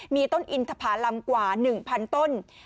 มีต้นอินทภารำกว่า๑๐๐ต้น